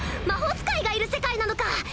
魔法使いがいる世界なのか！